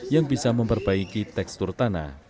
yang bisa memperbaiki tekstur tanah